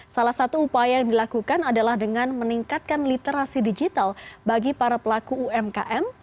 salah satu upaya yang dilakukan adalah dengan meningkatkan literasi digital bagi para pelaku umkm